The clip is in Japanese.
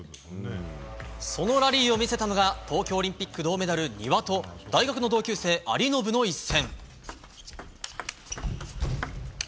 そのラリーを見せたのが東京オリンピック銅メダル丹羽と大学の同級生、有延の一戦。